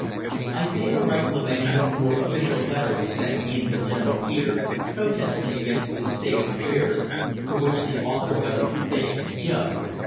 I think a Reclamation or official letter was sent in to General Peters, protesting against this state of affairs, for which the author got a few days' "jug."